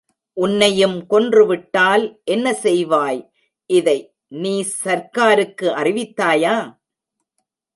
உன்னையும் கொன்றுவிட்டால் என்ன செய்வாய், இதை, நீ சர்க்காருக்கு அறிவித்தாயா?